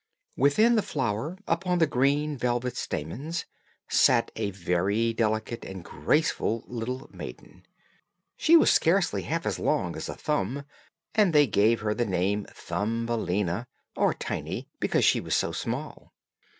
Within the flower, upon the green velvet stamens, sat a very delicate and graceful little maiden. She was scarcely half as long as a thumb, and they gave her the name of "Thumbelina," or Tiny, because she was so small.